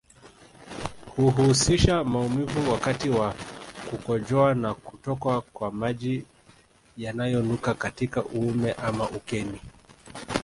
Huhusisha mauvimu wakati wa kukojoa na kutokwa kwa maji yanayonuka katika uume ama ukeni